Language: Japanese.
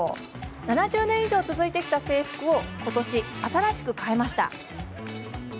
７０年以上続いてきた制服をことし、新しく変えました。